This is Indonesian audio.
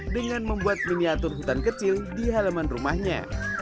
dengan membuat miniatur hutan kecil di halaman rumahnya